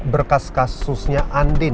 berkas kasusnya andin